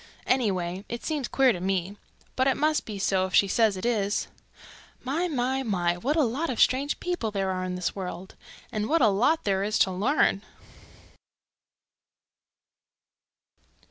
Anyway, it seems queer to me. But it must be so if she says it is. My, my, my, what a lot of strange people there are in this world! And what a lot there is to learn!"